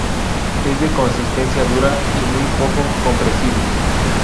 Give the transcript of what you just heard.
Es de consistencia dura y muy poco compresible.